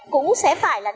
cũng sẽ phải là điều đó